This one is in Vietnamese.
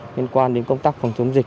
liên quan đến công tác phòng chống dịch